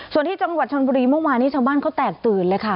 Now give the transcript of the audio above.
ส่วนที่จังหวัดชนบุรีเมื่อวานนี้ชาวบ้านเขาแตกตื่นเลยค่ะ